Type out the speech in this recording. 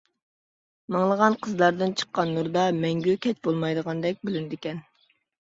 مىڭلىغان قىزلاردىن چىققان نۇردا مەڭگۈ كەچ بولمايدىغاندەك بىلىنىدىكەن.